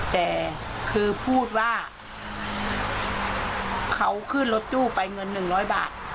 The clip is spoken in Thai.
แต่คือพูดว่าเขาขึ้นรถตู้ไปเงิน๑๐๐บาท